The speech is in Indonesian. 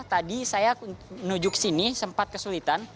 tadi saya menuju ke sini sempat kesulitan